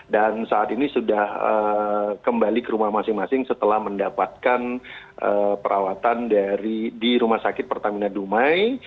dan saat ini sudah kembali ke rumah masing masing setelah mendapatkan perawatan di rumah sakit pertamina dumai